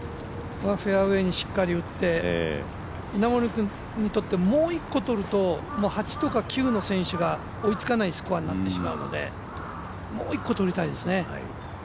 フェアウエーにしっかり打って、稲森君にとってもう一個取ると、８とか９の選手が追いつかないスコアになってしまうのでもう一個、とりたいですね。